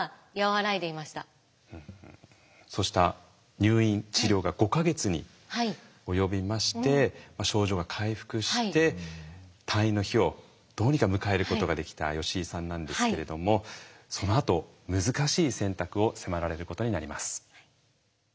そうした入院治療が５か月に及びまして症状が回復して退院の日をどうにか迎えることができた吉井さんなんですけれどもそのあと難しい選択を迫られることになります。